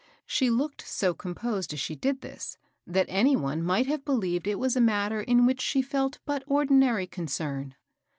She looked so ieom j>osed as she did this, that any one might have be THE LAST DOLLAR. 223 Heved it was a matter in which she felt but or dinary concern.